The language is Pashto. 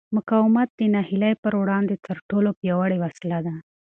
مقاومت د ناهیلۍ پر وړاندې تر ټولو پیاوړې وسله ده.